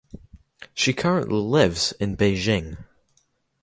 She currently lives in Beijing.